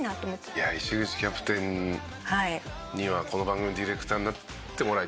いや石口キャプテンにはこの番組のディレクターになってもらいたいね。